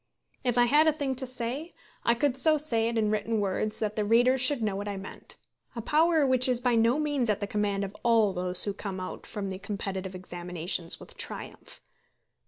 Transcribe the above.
If I had a thing to say, I could so say it in written words that the readers should know what I meant, a power which is by no means at the command of all those who come out from these competitive examinations with triumph.